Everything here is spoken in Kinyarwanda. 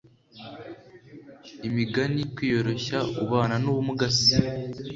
imigani kwiyoroshya ubana n ubumuga si